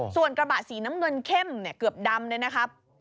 ส่วนกระบะสีน้ำเงินเข้มเนี่ยเกือบดำเลยนะครับ